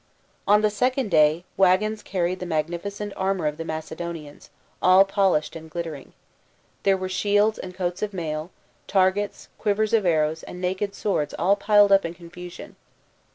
J On the second day, waggons carried the magnifi cent armour of the Macedonians, all polished and glittering. There were shields and coats of mail, targets, quivers of arrows, and naked swords all piled up in confusion.